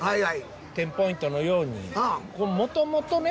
テンポイントのようにもともとね